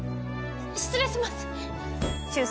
失礼します！